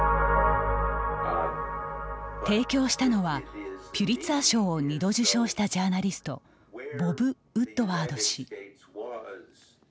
提供したのはピュリツァー賞を２度受賞したジャーナリストボブ・ウッドワード氏。